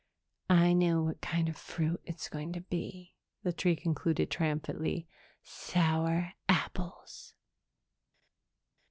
"I know what kind of fruit it's going to be," the tree concluded triumphantly. "Sour apples."